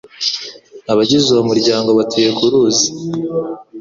Abagize uwo muryango batuye ku ruzi.